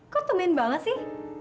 kok temen banget sih